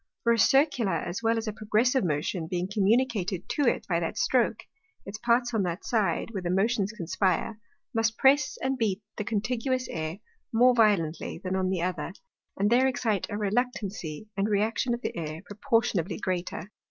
For a Circular as well as a Progressive Motion being communicated to it by that stroak, its parts on that side, where the Motions conspire, must press and beat the contiguous Air more violently than on the other, and there excite a Reluctancy and Reaction of the Air proportionably greater.